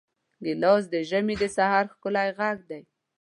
ګیلاس د ژمي د سحر ښکلی غږ دی.